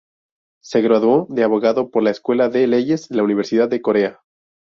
Se graduó de abogado por la Escuela de Leyes de la Universidad de Corea.